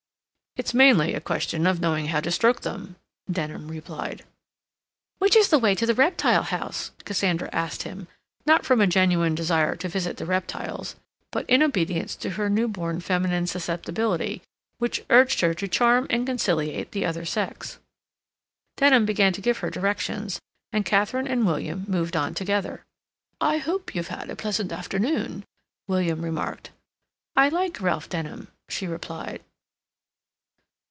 "It's mainly a question of knowing how to stroke them," Denham replied. "Which is the way to the Reptile House?" Cassandra asked him, not from a genuine desire to visit the reptiles, but in obedience to her new born feminine susceptibility, which urged her to charm and conciliate the other sex. Denham began to give her directions, and Katharine and William moved on together. "I hope you've had a pleasant afternoon," William remarked. "I like Ralph Denham," she replied.